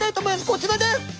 こちらです！